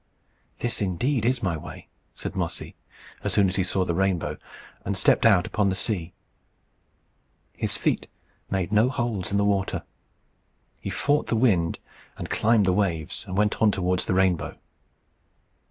"This indeed is my way," said Mossy, as soon as he saw the rainbow, and stepped out upon the sea. His feet made no holes in the water. He fought the wind, and clomb the waves, and went on towards the rainbow.